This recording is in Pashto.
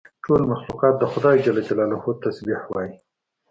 ټول مخلوقات د خدای تسبیح وایي.